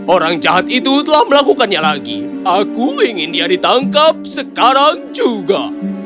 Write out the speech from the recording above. orang jahat itu telah melakukannya lagi aku ingin dia ditangkap sekarang juga